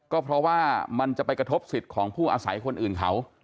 ก็เพราะว่ามันจะไปกระทบสิทธิ์ของผู้อาศัยคนอื่นเขา